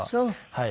はい。